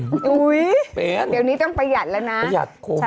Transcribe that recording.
เดี๋ยวนี้ต้องประหยัดแล้วนะ